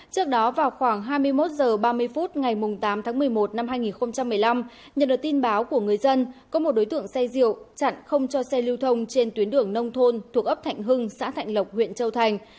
trước đó vào khoảng hai mươi một h ba mươi phút ngày tám tháng một mươi một năm hai nghìn một mươi năm nhận được tin báo của người dân có một đối tượng xe rượu chặn không cho xe lưu thông trên tuyến đường nông thôn thuộc ấp thạnh hưng xã thạnh lộc huyện châu thành